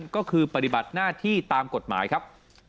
ก็คือปฏิบัติหน้าที่ตามกฎหมายครับ